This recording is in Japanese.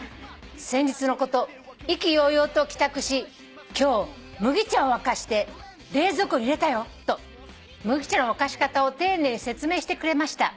「先日のこと意気揚々と帰宅し『今日麦茶を沸かして冷蔵庫に入れたよ』と麦茶の沸かし方を丁寧に説明してくれました」